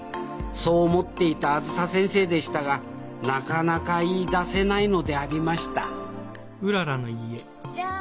そう思っていたあづさ先生でしたがなかなか言いだせないのでありましたジャン！